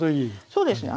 そうですね。